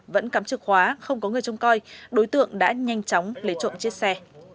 vẫn cắm chìa khóa không có người trông coi đối tượng đã nhanh chóng lấy trộm chiếc xe